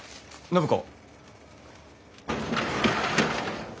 暢子